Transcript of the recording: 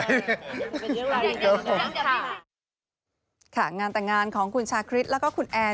ค่ะค่ะงานแต่งงานของคุณชาคริสแล้วก็คุณแอน